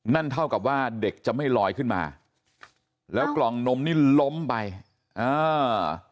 นั่นเท่ากับว่าเด็กจะไม่ลอยขึ้นมาแล้วกล่องนมนี่ล้มไปอ่า